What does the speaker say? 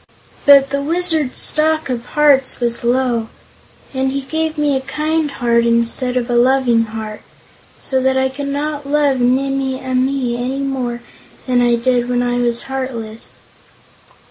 But the Wizard's stock of hearts was low, and he gave me a Kind Heart instead of a Loving Heart, so that I could not love Nimmie Amee any more than I did when I was heartless."